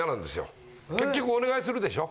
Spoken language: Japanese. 結局お願いするでしょ。